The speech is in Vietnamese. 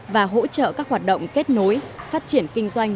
và hỗ trợ các hoạt động kết nối phát triển kinh doanh